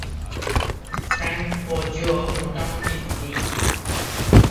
Frank ও Joe মোটামুটি ধনী।